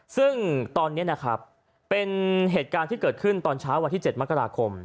ซึ่งตอนนี้นะครับเป็นเหตุการณ์ที่เกิดขึ้นตอนเช้าวันที่๗มกราคม